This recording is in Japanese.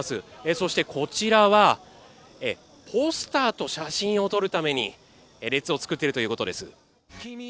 そしてこちらは、ポスターと写真を撮るために列を作ってるということです。